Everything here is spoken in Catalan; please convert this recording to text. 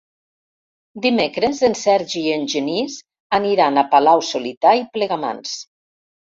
Dimecres en Sergi i en Genís aniran a Palau-solità i Plegamans.